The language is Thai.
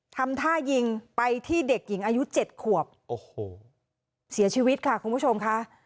ทำท่ายิงไปที่เด็กหญิงอายุเจ็ดขวบโอ้โหเสียชีวิตค่ะคุณผู้ชมค่ะ